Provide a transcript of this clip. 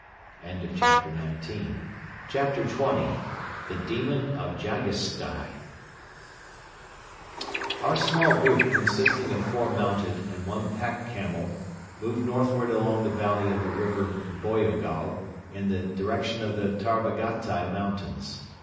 CHAPTER XX THE DEMON OF JAGISSTAI Our small group consisting of four mounted and one pack camel moved northward along the valley of the River Boyagol in the direction of the Tarbagatai Mountains.